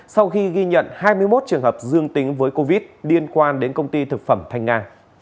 sau khi ghi nhận hai mươi một trường hợp dương tính với covid một mươi chín liên quan đến công ty thực phẩm thanh nga